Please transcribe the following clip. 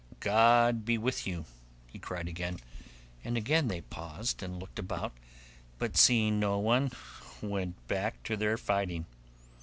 'God be with you,' he cried again, and again they paused and looked about, but seeing no one went back to their fighting.